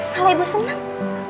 malah ibu senang